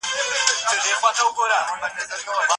کلاسیکانو د دولت مصارف غیرمؤلد ګڼل.